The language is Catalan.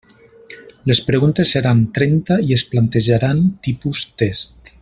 Les preguntes seran trenta i es plantejaran tipus test.